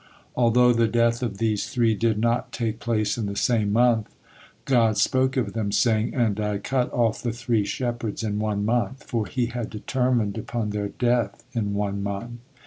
Although the death of these three did not take place in the same month, God spoke of them saying, "And I cut off the three shepherds in one month," for He had determined upon their death in one month.